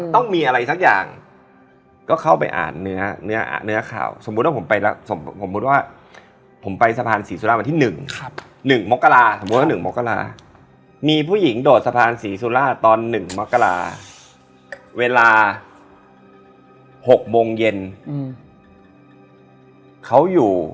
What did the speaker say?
ที่คนเขามาหาที่มีเสียงมาหาแอร์